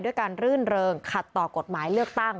การรื่นเริงขัดต่อกฎหมายเลือกตั้ง